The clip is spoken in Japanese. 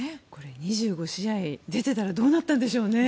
２５試合出ていたらどうなっていたんでしょうね。